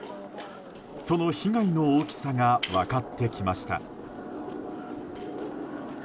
その被害の大きさが分かってきました。